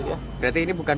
ya berarti ini bukan